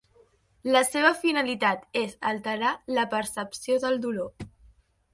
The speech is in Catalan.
La seva finalitat és alterar la percepció del dolor.